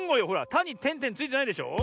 「た」にてんてんついてないでしょ。